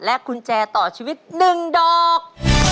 กุญแจต่อชีวิต๑ดอก